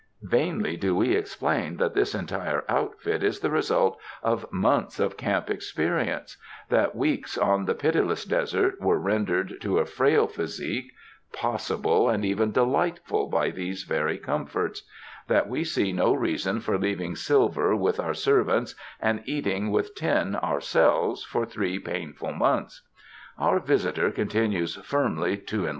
Vainly do we explain that this entire outfit is the result of months of camp experience ; that weeks on the pitiless desert were rendered to a frail physique possible and even delightful by these very comforts ; that we see no reason for leaving silver with our servants and eating with tin ourselves for three painful months. Our visitor continues firmly to en.